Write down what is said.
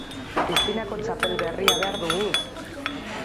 Piszinako txapel berria behar dugu!